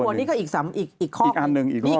คนละครอบครัวนี่ก็อีกครอบหนึ่ง